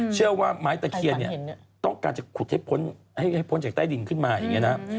เชื่อว่าไม้ตะเคียนเนี่ยต้องการจะขุดให้พ้นจากใต้ดินขึ้นมาอย่างนี้นะ